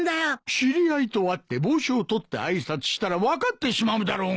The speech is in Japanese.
知り合いと会って帽子を取って挨拶したら分かってしまうだろうが。